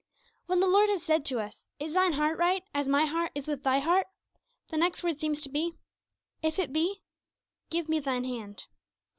'_ When the Lord has said to us, 'Is thine heart right, as My heart is with thy heart?' the next word seems to be, 'If it be, give Me thine hand.'